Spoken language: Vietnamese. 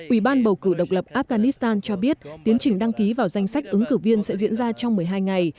ủy ban bầu cử độc lập afghanistan cho biết tiến trình đăng ký vào danh sách ứng cử viên sẽ diễn ra trong một mươi hai ngày